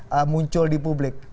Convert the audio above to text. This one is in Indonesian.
apa yang kemudian muncul di publik